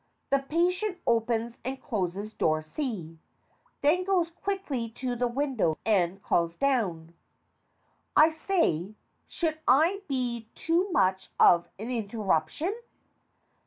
The PATIENT opens and closes door C. Then goes quickly to the window and calls down. ) I say, should I be too much of an interruption?